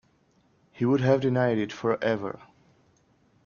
He would have denied it for ever.